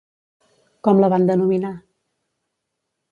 Com la van denominar?